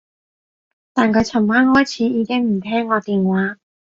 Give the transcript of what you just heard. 但佢噚晚開始已經唔聽我電話